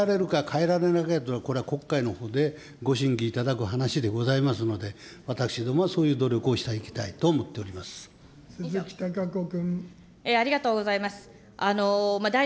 変えられるか、変えられないかはこれは国会のほうでご審議いただく話でございますので、私どもはそういう努力をしていきたいと思鈴木貴子君。